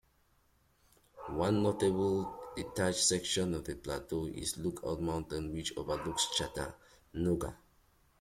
One notable detached section of the Plateau is Lookout Mountain, which overlooks Chattanooga.